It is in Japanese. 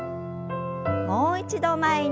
もう一度前に。